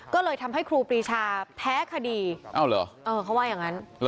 ก็เลยทำให้ครูปรีชาแพ้คดีเขาว่าอย่างนั้น